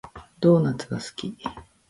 ドーナツが好き